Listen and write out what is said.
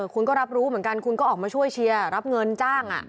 คุณก็รับรู้เหมือนกันคุณก็ออกมาช่วยเชียร์รับเงินจ้าง